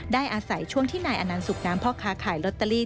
อาศัยช่วงที่นายอนันต์สุกน้ำพ่อค้าขายลอตเตอรี่